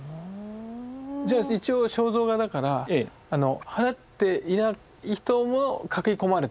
じゃあ一応肖像画だから払っていない人も描き込まれていると？